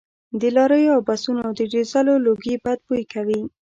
د لاریو او بسونو د ډیزلو لوګي بد بوی کوي